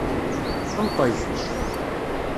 Nṭeg!